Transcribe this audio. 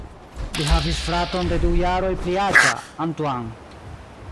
Li havis fraton de du jaroj pli aĝa, Antoine.